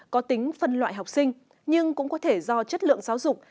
có tính phân loại học sinh nhưng cũng có thể do chất lượng giáo dục